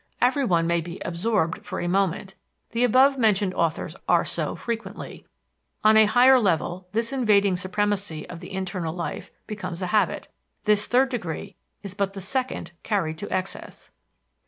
Everyone may be "absorbed" for a moment; the above mentioned authors are so frequently. On a higher level this invading supremacy of the internal life becomes a habit. This third degree is but the second carried to excess.